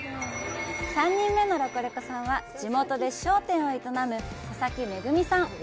３人目のロコレコさんは、地元で商店を営む佐々木恵さん！